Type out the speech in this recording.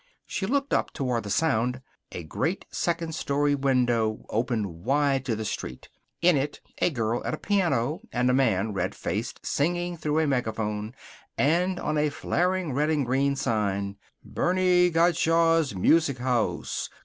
She looked up, toward the sound. A great second story window opened wide to the street. In it a girl at a piano, and a man, red faced, singing through a megaphone. And on a flaring red and green sign: BERNIE GOTTSCHALK'S MUSIC HOUSE!